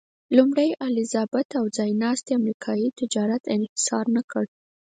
لومړۍ الیزابت او ځایناستي امریکا کې تجارت انحصار نه کړل.